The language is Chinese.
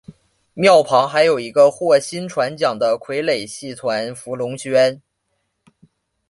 庙旁还有一个获薪传奖的傀儡戏团福龙轩。